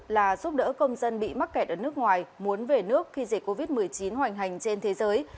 là giúp đỡ công dân bị mắc kẹt ở nước ngoài muốn về nước khi dịch covid một mươi chín hoành hành trên thế giới